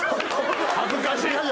恥ずかしい。